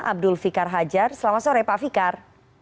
abdul fikar hajar selamat sore pak fikar